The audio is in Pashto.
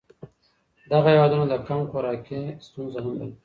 دغه هېوادونه د کم خوراکۍ ستونزه هم لري.